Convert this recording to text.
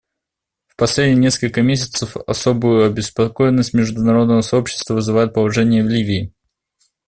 В последние несколько месяцев особую обеспокоенность международного сообщества вызывает положение в Ливии.